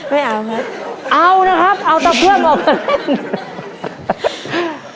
ไม่เอาครับเอานะครับเอาตาเพื่อมออกมาเล่น